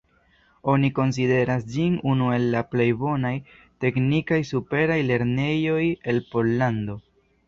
Oni konsideras ĝin unu el la plej bonaj teknikaj superaj lernejoj en Pollando.